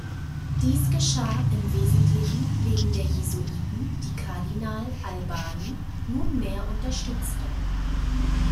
Dies geschah im Wesentlichen wegen der Jesuiten, die Kardinal Albani nunmehr unterstützte.